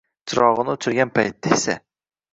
Chirog‘ini o‘chirgan paytda esa